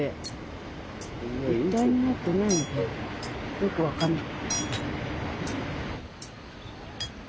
よく分かんない。